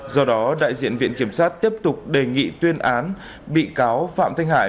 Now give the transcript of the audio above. do đó đại diện viện kiểm sát tiếp tục đề nghị tuyên án bị cáo phạm thanh hải